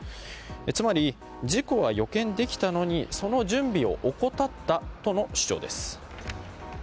つまり、事故は予見できたのにその準備を怠ったとの主張です。